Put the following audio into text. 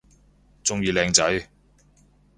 鍾意靚仔